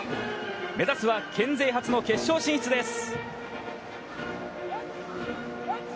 目指すは県勢初の決勝進出です。